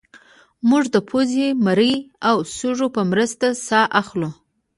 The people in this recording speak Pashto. موږ د پوزې مرۍ او سږو په مرسته ساه اخلو